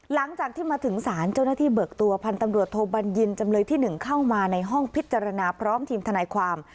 หลังจากที่มาถึงศาลเจ้าหน้าที่เบิกตัวพันธ์ตำรวจโทบัญญินจำเลยที่๑เข้ามาในห้องพิจารณาพร้อมทีมทนายความ